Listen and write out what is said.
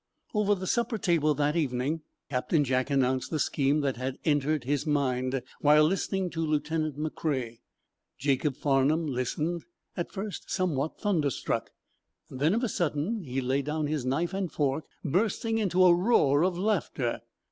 Over the supper table, that evening, Captain Jack announced the scheme that had entered his mind while listening to Lieutenant McCrea. Jacob Farnum listened, at first, somewhat thunderstruck. Then, of a sudden, he laid down his knife and fork, bursting into a roar of laughter.